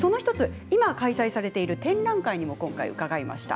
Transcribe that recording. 今開催されている展覧会に今回伺いました。